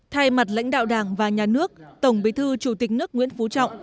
thay mặt lãnh đạo đảng và nhà nước tổng bí thư chủ tịch nước nguyễn phú trọng